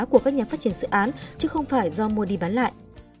của các nhà phát triển dự án chứ không phải do mua đi bán lại